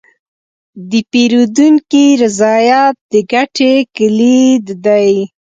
د پیرودونکي رضایت د ګټې کلید دی.